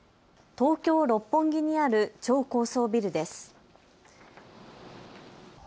東京六本木にある超高層ビルです。